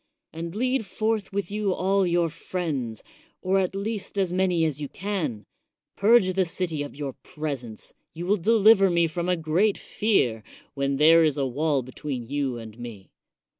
And lead forth with you all your friends, or at least as many as you can; purge the city of your presence; you will deliver me from a great fear, when there is a wall between you and me.